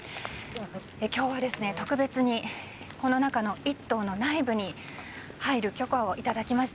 今日はですね、特別にこの中の一棟の内部に入る許可をいただきました。